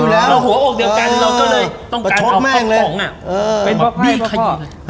แล้วหัวอกเหลือเกิดกรรมการพวกต้องการให้โป๊กอร่อง